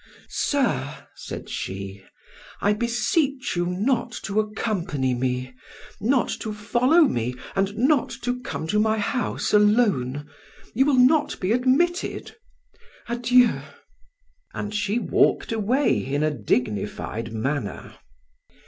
"Sir," said she, "I beseech you not to accompany me, not to follow me and not to come to my house alone. You will not be admitted. Adieu!" And she walked away in a dignified manner.